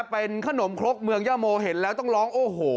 เป็นขนมครกเมืองย่าโมเห็นแล้วต้องร้องโอ้โห